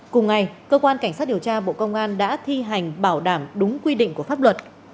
cùng ngày cơ quan cảnh sát điều tra bộ công an đã thi hành bảo đảm đúng quy định của pháp luật